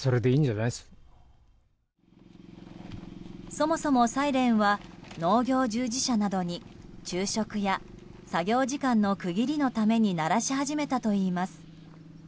そもそも、サイレンは農業従事者などに昼食や作業時間の区切りのために鳴らし始めたといいます。